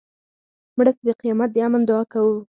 مړه ته د قیامت د امن دعا کوو